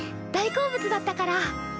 大好物だったから。